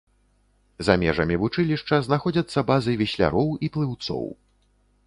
За межамі вучылішча знаходзяцца базы весляроў і плыўцоў.